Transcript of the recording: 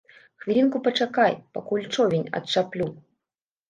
Хвілінку пачакай, пакуль човен адчаплю!